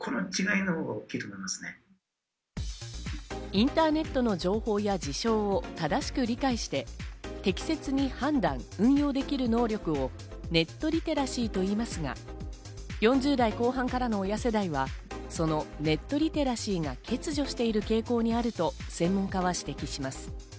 インターネットの情報や事象を正しく理解して適切に判断・運用する能力をネットリテラシーといいますが、４０代後半からの親世代はそのネットリテラシーが欠如する傾向があると専門家は指摘しています。